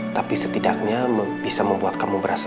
tapi setidaknya bisa membuat kamu berasa